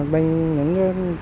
bên những cái